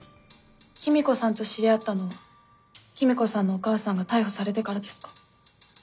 公子さんと知り合ったのは公子さんのお母さんが逮捕されてからですか？